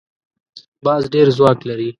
باز ډېر ځواک لري